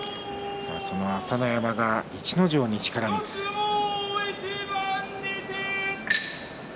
朝乃山が逸ノ城に力水をつけました。